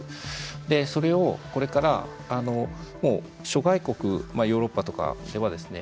でそれをこれから諸外国まあヨーロッパとかではですね